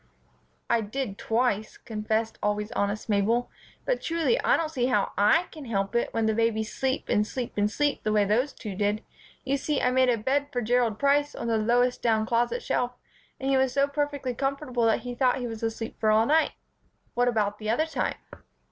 "I did twice," confessed always honest Mabel; "but truly I don't see how I can help it when babies sleep and sleep and sleep the way those two did. You see, I made a bed for Gerald Price on the lowest down closet shelf, and he was so perfectly comfortable that he thought he was asleep for all night." "What about the other time?"